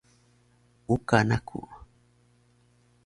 Uka naku